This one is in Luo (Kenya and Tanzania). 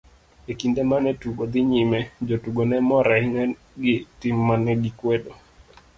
E kinde mane tugo dhi nyime, jotugo ne mor ahinya gi tim mane gikwedo.